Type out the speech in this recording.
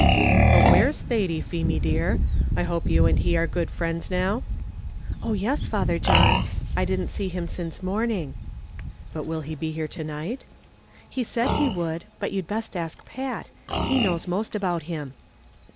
"But where's Thady, Feemy dear? I hope you and he are good friends now." "Oh yes, Father John; that is, I didn't see him since morning." "But will he be here to night?" "He said he would; but you'd best ask Pat, he knows most about him."